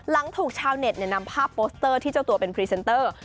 หลังถูกชาวเน็ตนำภาพโปสเตอร์ที่เจ้าตัวเป็นพรีเซนเตอร์